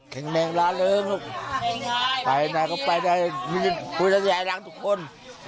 แข่งแมงร้านเริ่มลูกไปนะก็ไปนะพุทธยายลังค์ทุกคน